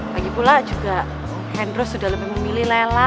lagipula juga hendro sudah lebih memilih lela